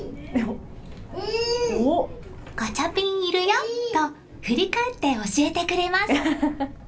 ガチャピンいるよと振り返って教えてくれます。